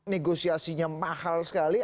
negosiasinya mahal sekali